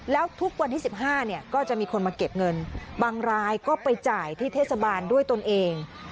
แล้วทุกวันที่๑๕เนี่ยก็จะมีคนมาเก็บเงินบางรายก็ไปจ่ายที่เทศบาลด้วยตนเอง